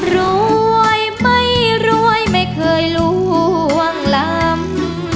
รวยไม่รวยไม่เคยล่วงลำ